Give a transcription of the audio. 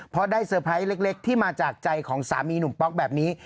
เพราะได้เตอร์ไพรส์เล็กที่มาจากใจของสามีหนุ่มป๊อกแบบนี้